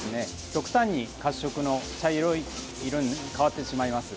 極端に褐色の茶色い色に変わってしまいます。